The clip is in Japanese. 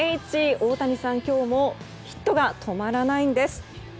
大谷さん、今日もヒットが止まらないんです。